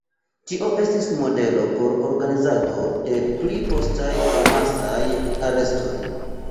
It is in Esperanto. Tio estis modelo por organizado de pli postaj amasaj arestoj.